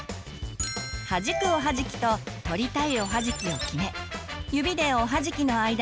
はじくおはじきと取りたいおはじきを決め小指で道をスッと描いて。